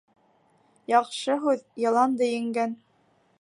Яҡшы һүҙ йыланды еңгән.